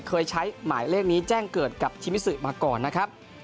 เคยใช้หมายเลขนี้แจ้งเกิดกับชิมิสุมาก่อนนะครับ